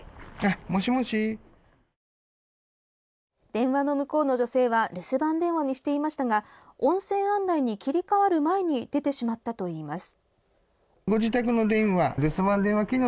電話の向こうの女性は留守番電話にしていましたが音声案内に切り替わる前に出てしまったといいます。